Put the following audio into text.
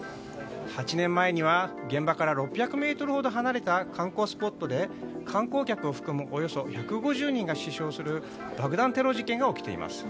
８年前には現場から６００ｍほど離れた観光スポットで観光客を含むおよそ１５０人が死傷する爆弾テロ事件が起きています。